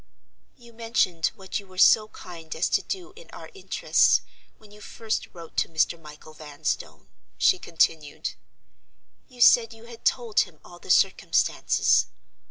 "You mentioned what you were so kind as to do, in our interests, when you first wrote to Mr. Michael Vanstone," she continued. "You said you had told him all the circumstances.